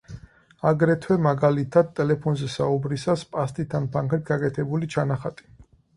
აგრეთვე, მაგალითად, ტელეფონზე საუბრისას პასტით ან ფანქრით გაკეთებული ჩანახატი.